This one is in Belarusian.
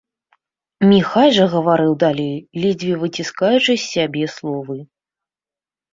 Міхась жа гаварыў далей, ледзьве выціскаючы з сябе словы.